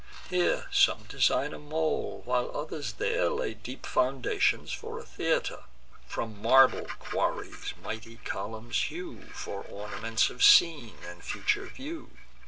Here some design a mole, while others there Lay deep foundations for a theatre; From marble quarries mighty columns hew, For ornaments of scenes, and future view.